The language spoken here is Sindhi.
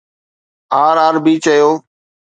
آر آر بي چيو